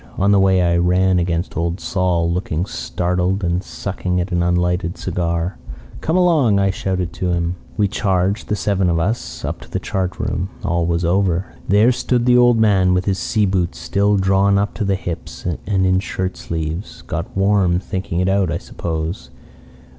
On the way I ran against Old Sol, looking startled and sucking at an unlighted cigar. "'Come along,' I shouted to him. "We charged, the seven of us, up to the chart room. All was over. There stood the old man with his sea boots still drawn up to the hips and in shirt sleeves got warm thinking it out, I suppose.